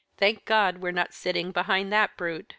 "Thank God we're not sitting behind that brute!"